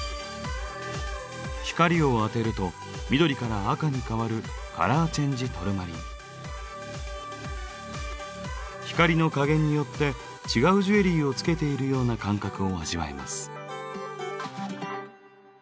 光を当てると緑から赤に変わる光の加減によって違うジュエリーをつけているような感覚を味わえます。